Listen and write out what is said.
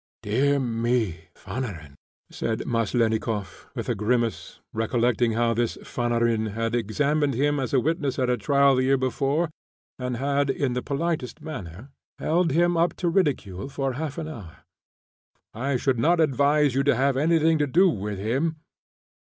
"Dear me, Fanarin!" said Meslennikoff, with a grimace, recollecting how this Fanarin had examined him as a witness at a trial the year before and had, in the politest manner, held him up to ridicule for half an hour. "I should not advise you to have anything to do with him.